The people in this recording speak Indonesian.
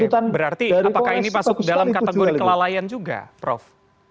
berarti apakah ini masuk dalam kategori kelalaian juga prof